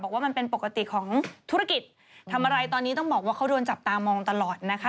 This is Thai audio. ว่ามันเป็นปกติของธุรกิจทำอะไรตอนนี้ต้องบอกว่าเขาโดนจับตามองตลอดนะคะ